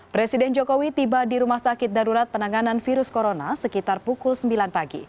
presiden jokowi tiba di rumah sakit darurat penanganan virus corona sekitar pukul sembilan pagi